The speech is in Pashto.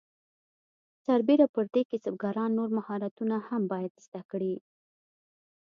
سربیره پر دې کسبګران نور مهارتونه هم باید زده کړي.